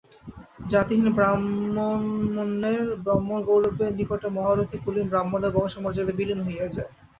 জাতিহীন ব্রাহ্মণম্মন্যের ব্রহ্মণ্যগৌরবের নিকটে মহারথী কুলীন ব্রাহ্মণের বংশমার্যাদা বিলীন হইয়া যায়।